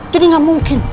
jadi nggak mungkin